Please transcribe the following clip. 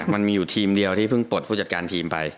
มันมีอยู่ทีมเดียวที่เพิ่งปลดผู้จัดการทีมไป